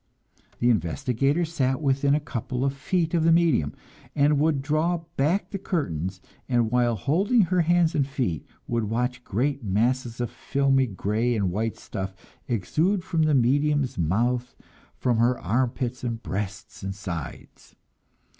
The investigators sat within a couple of feet of the medium, and would draw back the curtains, and while holding her hands and her feet, would watch great masses of filmy gray and white stuff exude from the medium's mouth, from her armpits and breasts and sides.